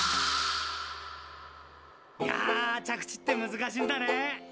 いや着地って難しいんだね。